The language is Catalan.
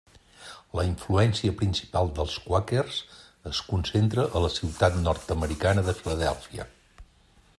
La influència principal dels quàquers es concentra a la ciutat nord-americana de Filadèlfia.